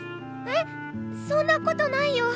えっそんなことないよ。